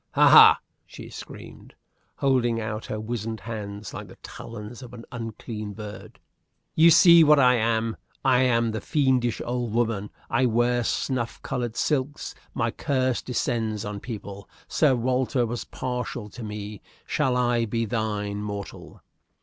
"Ha! ha!" she screamed, holding out her wizened hands like the talons of an unclean bird. "You see what I am. I am the fiendish old woman. I wear snuff colored silks. My curse descends on people. Sir Walter was partial to me. Shall I be thine, mortal?"